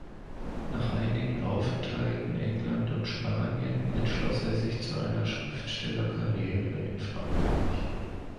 Nach einigen Aufenthalten England und Spanien, entschloss er sich zu einer Schriftstellerkarriere in Frankreich.